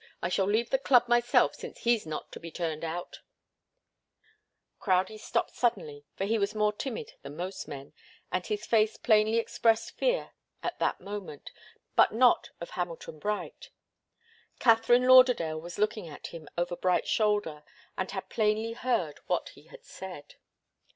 I shall leave the club myself, since he's not to be turned out " Crowdie stopped suddenly, for he was more timid than most men, and his face plainly expressed fear at that moment but not of Hamilton Bright. Katharine Lauderdale was looking at him over Bright's shoulder and had plainly heard what he had said.